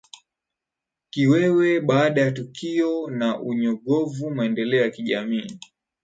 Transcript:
kiwewe baada ya tukio na unyogovuMaendeleo ya kijamii